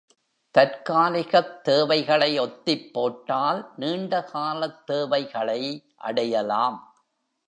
தற்காலிகத் தேவைகளை ஒத்திப் போட்டால் நீண்ட காலத் தேவைகளை அடையலாம்.